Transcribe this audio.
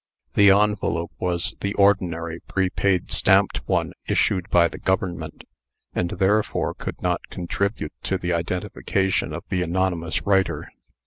The envelope was the ordinary prepaid stamped one issued by the Government, and therefore could not contribute to the identification of the anonymous writer.